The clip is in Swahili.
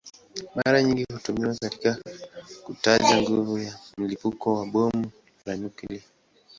Mara nyingi hutumiwa kwa kutaja nguvu ya mlipuko wa bomu la nyuklia.